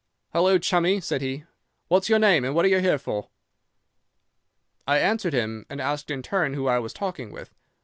"'"Hallao, chummy!" said he, "what's your name, and what are you here for?" "'I answered him, and asked in turn who I was talking with.